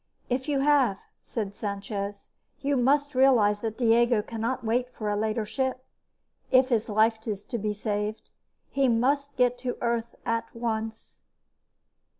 "If you have," said Sanchez, "you must realize that Diego cannot wait for a later ship, if his life is to be saved. He must get to Earth at once."